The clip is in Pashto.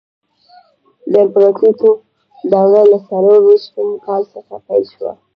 د امپراتورۍ دوره له څلور ویشتم کال څخه پیل شوه.